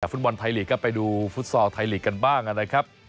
ฟุตบอลไทยลีกครับไปดูฟุตซอลไทยลีกกันบ้างนะครับ